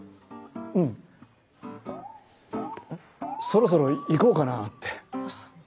そろそろ行こうかなって。